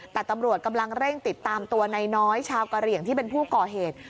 แต่ตำรวจกำลังเร่งติดตามตัวนายน้อยชาวกะเหลี่ยงที่เป็นผู้ก่อเหตุ